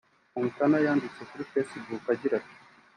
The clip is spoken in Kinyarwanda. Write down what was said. Montana yanditse kuri facebook agira ati